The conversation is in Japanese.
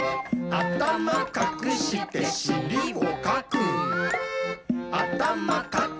「あたまかくかくしりもかく！」